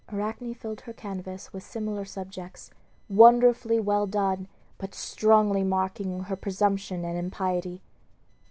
Arachne filled her canvas with similar subjects, wonderfully well done, but strongly marking her presumption and impiety.